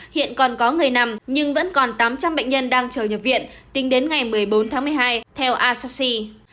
hiện còn có người nằm nhưng vẫn còn tám trăm linh bệnh nhân đang chờ nhập viện tính đến ngày một mươi bốn tháng một mươi hai theo asay